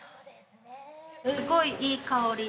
すごいいい香りで。